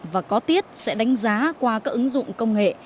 và có tiết sẽ đánh giá qua các ứng dụng công nghệ